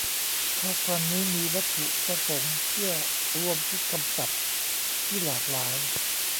ข้อความนี้มีวัตถุประสงค์เพื่อรวมชุดคำศัพท์ที่หลากหลาย